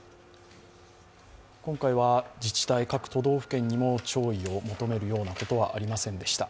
今回は、自治体、各都道府県にも弔意を求めるようなことはありませんでした。